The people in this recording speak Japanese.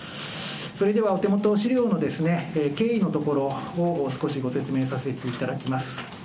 それではお手元資料の経緯のところを少しご説明させていただきます。